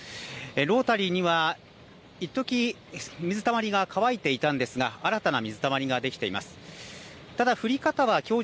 ロータリーにはいっとき水たまりが乾いていたんですが新たな水たまりができています。